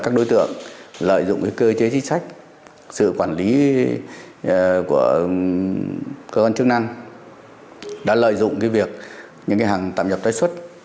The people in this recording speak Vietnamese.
các đối tượng lợi dụng cơ chế chính sách sự quản lý của cơ quan chức năng đã lợi dụng việc những hàng tạm nhập tái xuất